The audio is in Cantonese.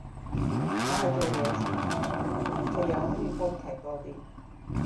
我係做嘢時聽，唔做嘢我鍾意煲劇多啲